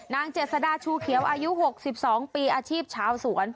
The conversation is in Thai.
เจษดาชูเขียวอายุ๖๒ปีอาชีพชาวสวน